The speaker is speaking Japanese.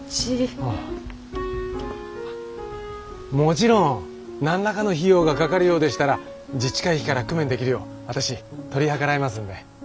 もちろん何らかの費用がかかるようでしたら自治会費から工面できるよう私取り計らいますので。